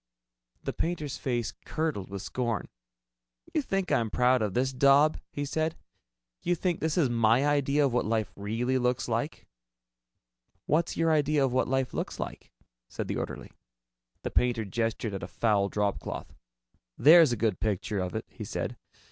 The painter's face curdled with scorn. "You think I'm proud of this daub?" he said. "You think this is my idea of what life really looks like?" "What's your idea of what life looks like?" said the orderly. The painter gestured at a foul dropcloth. "There's a good picture of it," he said.